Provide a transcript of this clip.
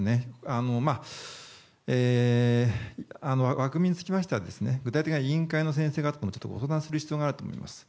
枠組みにつきましては具体的な委員会の先生方とご相談する必要があると思います。